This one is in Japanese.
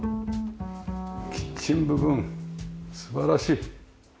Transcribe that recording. キッチン部分素晴らしい。